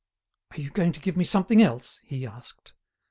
"Are you going to give me something else?" he asked.